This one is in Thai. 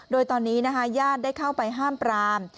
โดยตอนนี้นะคะญาติได้เข้าไปห้ามปราม